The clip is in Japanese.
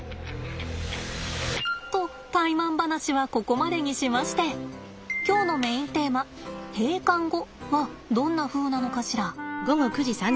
とタイマン話はここまでにしまして今日のメインテーマ閉館後はどんなふうなのかしら。